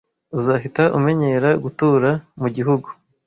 Uzahita umenyera gutura mugihugu.